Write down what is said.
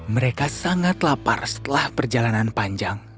mereka sangat lapar setelah perjalanan panjang